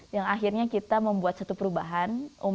yang akhirnya kita membuat satu perubahan